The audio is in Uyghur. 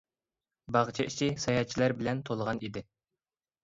باغچە ئىچى ساياھەتچىلەر بىلەن تولغان ئىدى.